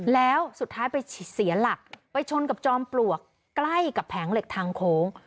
แล้วสุดท้ายไปเสียหลักไปชนกับจอมปลวกใกล้กับแผงเหล็กทางโค้ง